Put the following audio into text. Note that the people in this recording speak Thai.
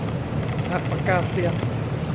หักปากกาเซียน